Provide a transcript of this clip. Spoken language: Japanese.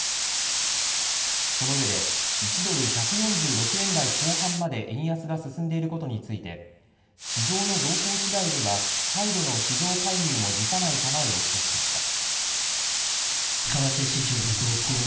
そのうえで１ドル１４６円台後半まで円安が進んでいることについて市場の動向しだいでは再度の市場介入も辞さない構えを示しました。